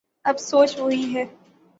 اب سچ وہی ہے